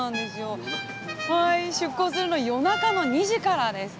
出航するのは夜中の２時からです。